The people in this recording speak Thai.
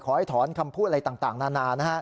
ให้ถอนคำพูดอะไรต่างนานานะฮะ